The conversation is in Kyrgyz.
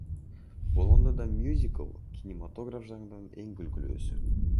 Болгондо да мюзикл — кинематограф жанрынын эң күлкүлүүсү.